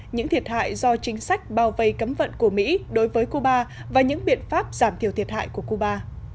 những thiệt hại do chính sách bao vây cấm vận của mỹ đối với cuba và những biện pháp giảm thiểu thiệt hại của cuba